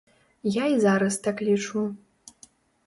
Я і зараз так лічу.